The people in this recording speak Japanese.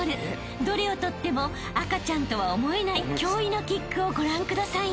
どれを取っても赤ちゃんとは思えない驚異のキックをご覧ください］